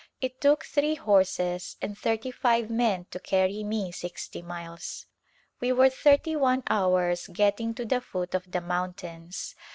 It took three horses and thirty five men to carry me sixty miles. We were thirty one hours getting to the foot of the mountains.